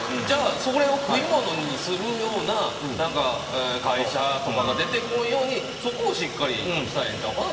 じゃあ、それを食い物にするような会社とかが出てこんようにそこをしっかりしたらええんちゃう